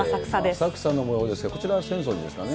浅草のもようですけれども、こちらは浅草寺ですかね。